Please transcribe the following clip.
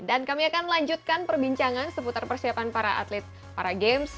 kami akan lanjutkan perbincangan seputar persiapan para atlet para games